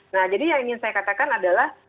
nah jadi yang ingin saya katakan adalah